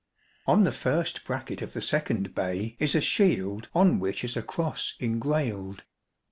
On the first bracket of the second bay is a shield on which is a cross engrailed.